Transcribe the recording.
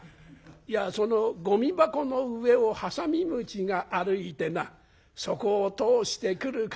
「いやそのゴミ箱の上をハサミムシが歩いてなそこを通してくる風